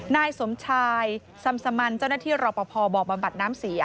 นายสมชายซัมสมันเจ้าหน้าที่รอปภบ่อบำบัดน้ำเสีย